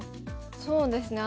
そうですね。